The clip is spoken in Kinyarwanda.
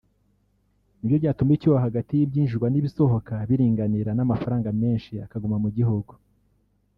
ni byo byatuma icyuho hagati y’ibyinjizwa n’ibisohoka biringanira n’amafaranga menshi akaguma mu gihugu